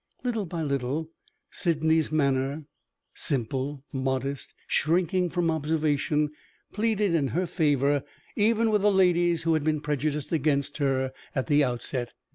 Little by little, Sydney's manner simple, modest, shrinking from observation pleaded in her favor even with the ladies who had been prejudiced against her at the outset.